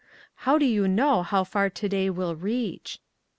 How do you know how far to day will reach?